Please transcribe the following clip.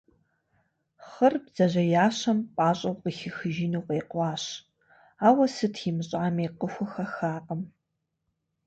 Хъыр бдзэжьеящэм пӏащӏэу къыхихыжыну къекъуащ, ауэ сыт имыщӏами, къыхухэхакъым.